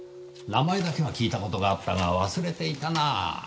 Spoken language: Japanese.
名前だけは聞いた事があったが忘れていたな。